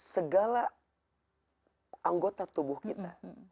segala anggota tubuh kita